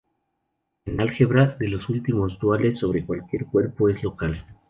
El álgebra de los números duales sobre cualquier cuerpo es local.